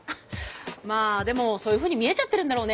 まあでもそういうふうに見えちゃってるんだろうね